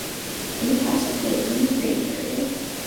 In the past it lived in the green area.